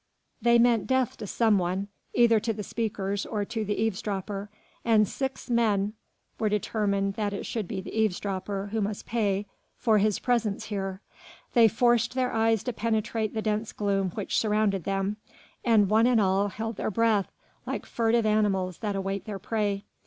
They meant death to someone, either to the speakers or to the eavesdropper; and six men were determined that it should be the eavesdropper who must pay for his presence here. They forced their eyes to penetrate the dense gloom which surrounded them, and one and all held their breath, like furtive animals that await their prey.